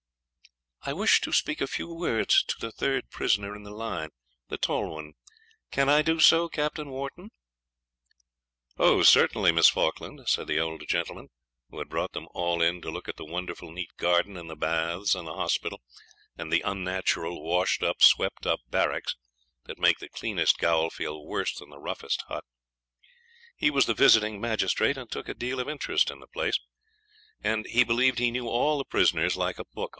'I wish to speak a few words to the third prisoner in the line the tall one. Can I do so, Captain Wharton?' 'Oh! certainly, Miss Falkland,' said the old gentleman, who had brought them all in to look at the wonderful neat garden, and the baths, and the hospital, and the unnatural washed up, swept up barracks that make the cleanest gaol feel worse than the roughest hut. He was the visiting magistrate, and took a deal of interest in the place, and believed he knew all the prisoners like a book.